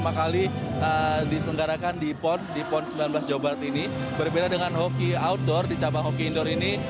pertama kali diselenggarakan di pon sembilan belas jawa barat ini berbeda dengan hoki outdoor di cabang hoki indoor ini